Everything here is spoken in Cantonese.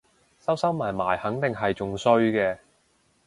收收埋埋肯定係仲衰嘅